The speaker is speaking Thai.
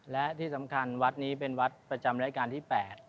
และที่สำคัญวัดนี้เป็นวัดประจำรายการที่๘